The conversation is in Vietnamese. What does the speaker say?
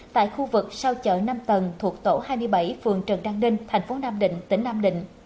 tại khu vực sau chợ năm tầng thuộc tổ hai mươi bảy phường trần đăng ninh thành phố nam định tỉnh nam định